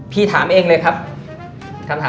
พี่วิลัท